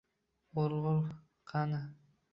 Urg'u qani?